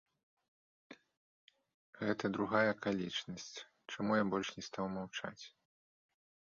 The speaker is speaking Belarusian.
Гэта другая акалічнасць, чаму я больш не стаў маўчаць.